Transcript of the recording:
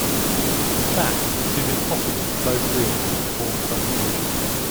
In fact, it is impossible for both wheels to perform such motion.